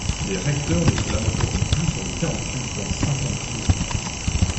Les recteurs ne se lamenteront plus sur les tarentules dans cinquante jours.